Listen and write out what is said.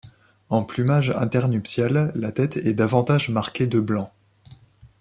En plumage internuptial, la tête est davantage marquée de blanc.